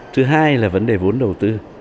thứ hai là vấn đề vốn đầu tư